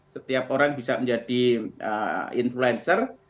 setiap orang bisa menjadi influencer